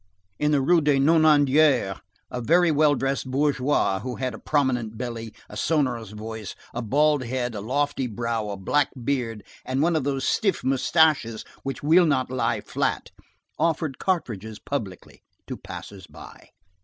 In the Rue des Nonaindières, a very well dressed bourgeois, who had a prominent belly, a sonorous voice, a bald head, a lofty brow, a black beard, and one of these stiff moustaches which will not lie flat, offered cartridges publicly to passers by.